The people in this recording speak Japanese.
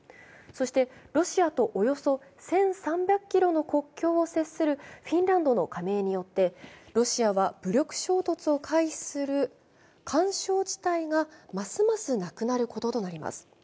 そしてロシアとおよそ１３００ｋｍの国境を接するフィンランドの加盟によって、ロシアは武力衝突を回避する緩衝地帯がますますなくなることとなります。